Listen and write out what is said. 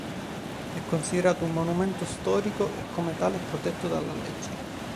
È considerato un monumento storico e come tale è protetto dalla legge.